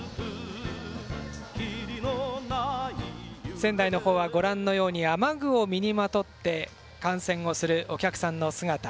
仙台のほうは、ご覧のように雨具を身にまとって観戦をするお客さんの姿。